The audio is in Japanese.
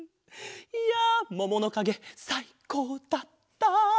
いやもものかげさいこうだった！